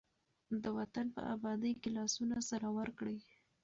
د وطن په ابادۍ کې لاسونه سره ورکړئ.